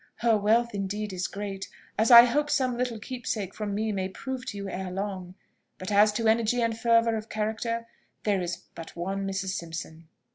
Her wealth indeed is great, as I hope some little keepsakes from me may prove to you ere long; but as to energy and fervour of character, there is but one Mrs. Simpson."